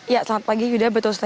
ya selamat pagi yuda